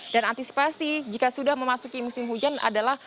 dan antisipasi jika sudah memasuki musim hujan adalah